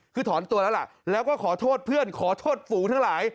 คือถอนตัวแล้วล่ะแล้วก็ขอโทษเพื่อนขอโทษฝูงทั้งหลาย